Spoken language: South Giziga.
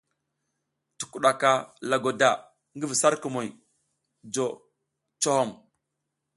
Tukuɗaka lagwada ngi vi sar kumuŋ jo cohom.